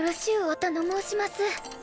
おたの申します。